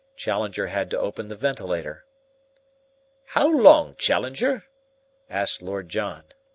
Challenger had to open the ventilator. "How long, Challenger?" asked Lord John.